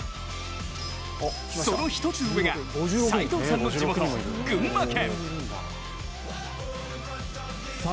その１つ上が、斎藤さんの地元群馬県。